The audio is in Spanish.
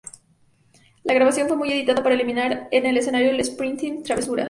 La grabación fue muy editada, para eliminar en el escenario de Springsteen travesuras.